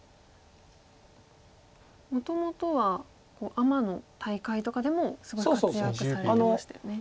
もともとはアマの大会とかでもすごい活躍されてましたよね。